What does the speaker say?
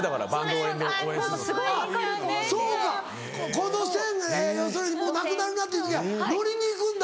この線要するにもうなくなるなっていう時は乗りに行くんだ。